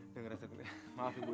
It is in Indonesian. ya ngerasa kena maaf ya bu ya